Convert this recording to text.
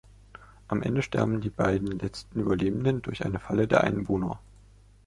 Am Ende sterben die beiden letzten Überlebenden durch eine Falle der Einwohner.